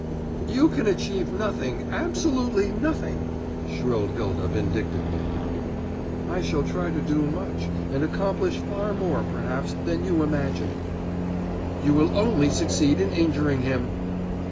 "You can achieve nothing, absolutely nothing," shrilled Hylda vindictively. "I shall try to do much, and accomplish far more, perhaps, than you imagine." "You will only succeed in injuring him."